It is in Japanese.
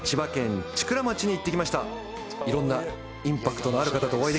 いろんな。